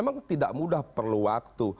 memang tidak mudah perlu waktu